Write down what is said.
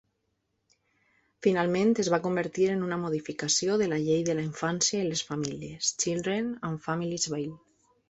Finalment es va convertir en una modificació de la llei de la Infància i les Famílies (Children and Families Bill).